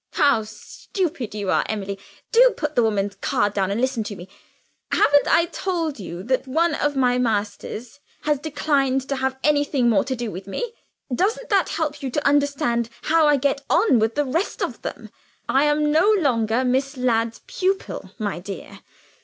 "How stupid you are, Emily! Do put the woman's card down on the table, and listen to me. Haven't I told you that one of my masters has declined to have anything more to do with me? Doesn't that help you to understand how I get on with the rest of them? I am no longer Miss Ladd's pupil, my dear.